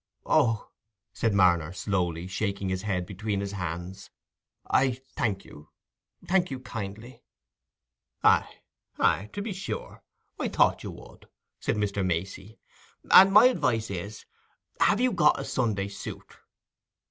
"Oh," said Marner, slowly, shaking his head between his hands, "I thank you—thank you—kindly." "Aye, aye, to be sure: I thought you would," said Mr. Macey; "and my advice is—have you got a Sunday suit?"